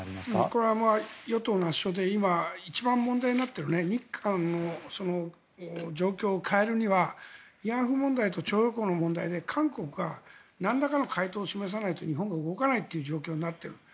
これは与党の圧勝で今、一番問題になっている日韓の状況を変えるには慰安婦問題と徴用工の問題で韓国がなんらかの回答を示さないと日本が動かないという状況になっている。